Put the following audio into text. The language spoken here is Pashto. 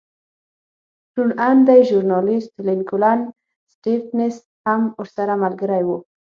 روڼ اندی ژورنالېست لینک ولن سټېفنس هم ورسره ملګری و.